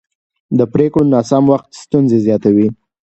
د پرېکړو ناسم وخت ستونزې زیاتوي